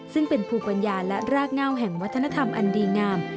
ซึ่งเป็นภูมิปัญญาและรากเง่าแห่งวัฒนธรรมอันดีงาม